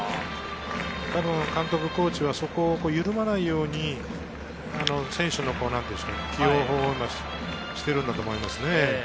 たぶん監督、コーチはそこは緩まないように、選手の起用をしているんだと思いますね。